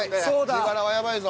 自腹はヤバいぞ。